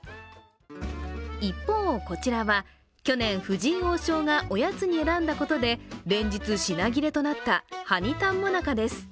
一方、こちらは去年、藤井王将がおやつに選んだことで連日、品切れとなった、はにたん最中です。